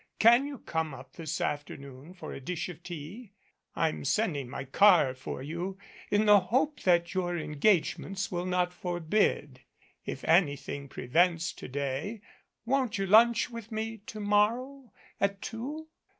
Can you come up this afternoon for a dish of tea? I'm sending my car for you in the hope that your engagements will not forbid. If anything prevents to day, won't you lunch with me to morrow at two?